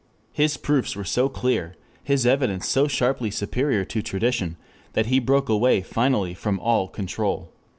His proofs were so clear, his evidence so sharply superior to tradition, that he broke away finally from all control.